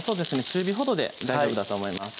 中火ほどで大丈夫だと思います